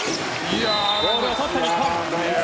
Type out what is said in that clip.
ボールを取った日本。